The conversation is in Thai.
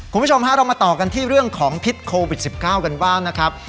คุณผู้ชมฮะเรามาต่อกันที่เรื่องของพิษโควิด๑๙กันบ้างนะครับ